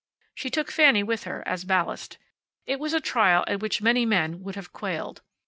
She took Fanny with her, as ballast. It was a trial at which many men would have quailed.